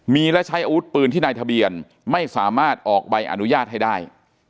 มีและใช้อาวุธปืนที่นายทะเบียนไม่สามารถออกใบอนุญาตให้ได้